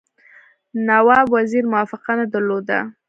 نواب وزیر موافقه نه درلوده.